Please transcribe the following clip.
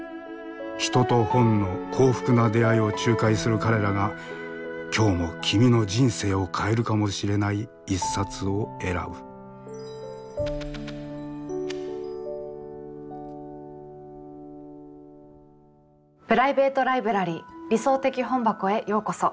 人と本の幸福な出会いを仲介する彼らが今日も君の人生を変えるかもしれない一冊を選ぶプライベート・ライブラリー「理想的本箱」へようこそ。